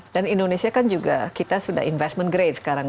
dan indonesia kan juga kita sudah investment grade sekarang